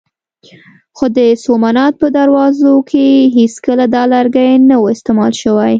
خو د سومنات په دروازو کې هېڅکله دا لرګی نه و استعمال شوی.